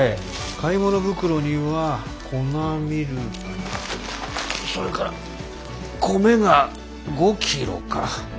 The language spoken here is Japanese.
買い物袋には粉ミルクそれから米が５ｋｇか。